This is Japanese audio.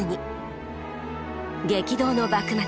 激動の幕末。